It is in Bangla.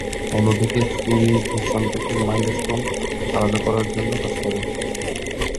অন্যদিকে, সুরি ভিশন থেকে মাইন্ড স্টোন আলাদা করার জন্য কাজ করে।